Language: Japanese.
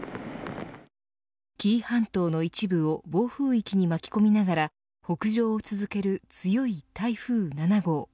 紀伊半島の一部を暴風域に巻き込みながら北上を続ける強い台風７号。